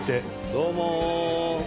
どうも。